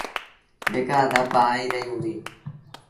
بيڪآر ڌپ آئي رهيٚ هُݩديٚ۔